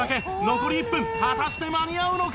残り１分果たして間に合うのか？